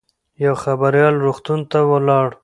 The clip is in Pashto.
یو خبریال روغتون ته ولاړ.